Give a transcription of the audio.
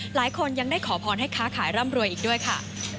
หลายคนยังได้ขอพรให้ค้าขายร่ำรวยอีกด้วยค่ะ